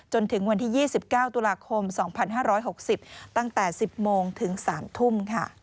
จนถึงวันที่๒๙ตุลาคม๒๕๖๐ตั้งแต่๑๐โมงถึง๓ทุ่ม